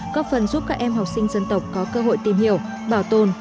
có phần giúp các em học sinh dân tộc có cơ hội tìm hiểu bảo tồn